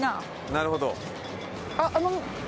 なるほど。